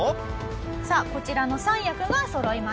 さあこちらの三役がそろいました。